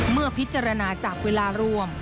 เมื่อพิจารณาจากเวลารวม